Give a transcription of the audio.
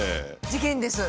事件です。